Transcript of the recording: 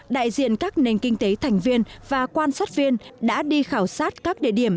đại diện các nền kinh tế thành viên và quan sát viên đã đi khảo sát các địa điểm